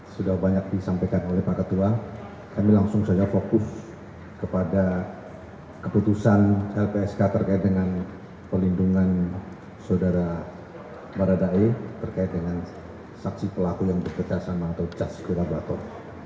sudah banyak disampaikan oleh pak ketua kami langsung saja fokus kepada keputusan lpsk terkait dengan pelindungan saudara baradae terkait dengan saksi pelaku yang bekerja sama atau justice collaborator